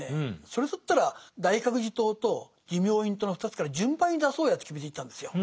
それだったら大覚寺統と持明院統の２つから順番に出そうやって決めていったんですよ。